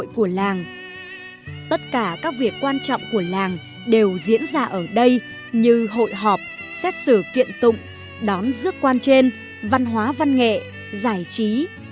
các việc quan trọng của làng đều diễn ra ở đây như hội họp xét xử kiện tụng đón dước quan trên văn hóa văn nghệ giải trí